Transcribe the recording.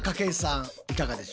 いかがでしょうか？